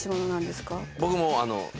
僕も。